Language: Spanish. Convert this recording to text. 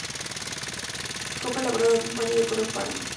Capa elaborada de un paño de color pardo.